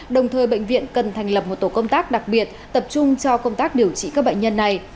đồng thời bệnh viện cần thành lập một tổ công tác đặc biệt tập trung cho công tác điều trị các bệnh nhân này